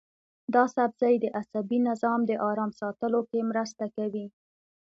دا سبزی د عصبي نظام د ارام ساتلو کې مرسته کوي.